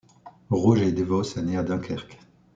Roger Devos est né à Dunkerque.